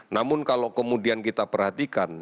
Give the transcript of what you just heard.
namun kalau kemudian kita perhatikan